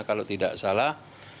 kalau tidak salah